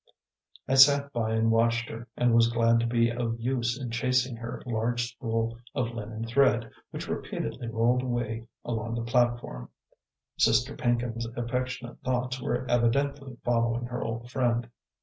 I sat by and watched her, and was glad to be of use in chasing her large spool of linen thread, which repeatedly rolled away along the platform. Sister Pinkham's affectionate thoughts were evidently following her old friend.